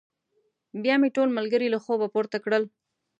بيا مې ټول ملګري له خوبه پورته کړل.